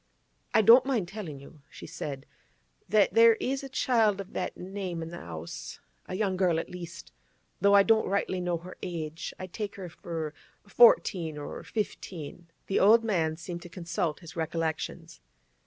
'I don't mind tellin' you,' she said, 'that there is a child of that name in the 'ouse, a young girl, at least. Though I don't rightly know her age, I take her for fourteen or fifteen.' The old man seemed to consult his recollections.